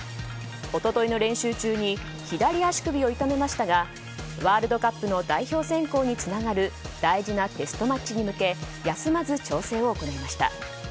一昨日の練習中に左足首を痛めましたがワールドカップの代表選考につながる大事なテストマッチに向け休まず調整を行いました。